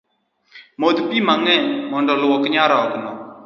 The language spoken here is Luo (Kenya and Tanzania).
Modh pi mang’eny mond oluok nyarogno